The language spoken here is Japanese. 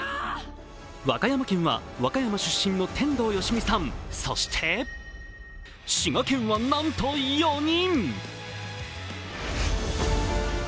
和歌山県は和歌山出身の天童よしみさん、そして、滋賀県はなんと４人！